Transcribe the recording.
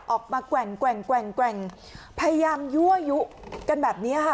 ออกมาแกว่งแกว่งแกว่งแกว่งพยายามยั่วยุกันแบบเนี้ยค่ะ